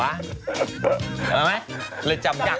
เห็นไหมหรือจำจัก